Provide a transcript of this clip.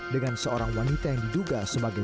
dengan seorang wanita yang diduga sebagai